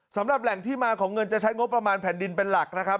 สำหรับแหล่งที่มาของเงินจะใช้งบประมาณแผ่นดินเป็นหลักนะครับ